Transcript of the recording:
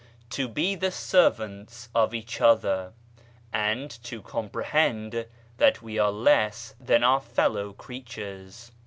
"To be the servants of each other, and to comprehend that we are less than our fellow creatures.